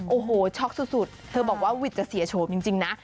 โอ้โหช็อกสุดเธอบอกว่าวิทย์จะเสียโฉมจริงนะ